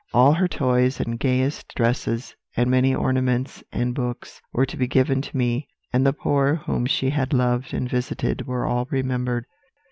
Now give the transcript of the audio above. All her toys and gayest dresses, and many ornaments and books, were to be given to me: and the poor whom she had loved and visited were all remembered.